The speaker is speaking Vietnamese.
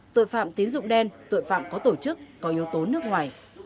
tội phạm tín dụng đen tội phạm có tổ chức có yếu tố nước ngoài